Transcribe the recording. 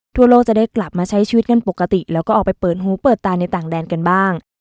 ทั่วโลกจะได้กลับมาใช้ชีวิตกันปกติแล้วก็ออกไปเปิดหูเปิดตาในต่างแดนกันบ้าง